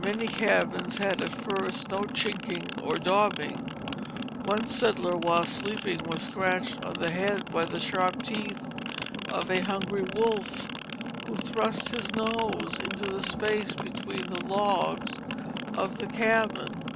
Many cabins had at first no chinking or daubing; one settler while sleeping was scratched on the head by the sharp teeth of a hungry wolf, who thrust his nose into the space between the logs of the cabin.